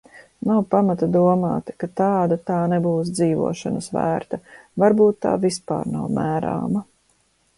Nav pamata domāt, ka tāda tā nebūs dzīvošanas vērta. Varbūt tā vispār nav mērāma.